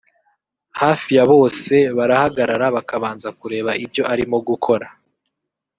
hafi ya bose barahagarara bakabanza kureba ibyo arimo gukora